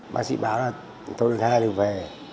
bác sĩ báo là tôi được hai lịch về